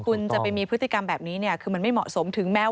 คุณจะไปมีพฤติกรรมแบบนี้เนี่ยคือมันไม่เหมาะสมถึงแม้